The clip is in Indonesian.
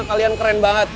kalian keren banget